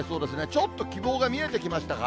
ちょっと希望が見えてきましたか。